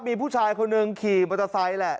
มีผู้ชายคนหนึ่งขี่มอเตอร์ไซค์แหละ